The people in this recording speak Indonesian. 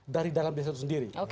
dari dalam desa itu sendiri